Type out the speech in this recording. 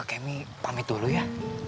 kemi pamit dulu ya